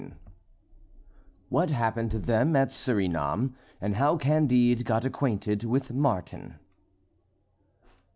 XIX WHAT HAPPENED TO THEM AT SURINAM AND HOW CANDIDE GOT ACQUAINTED WITH MARTIN.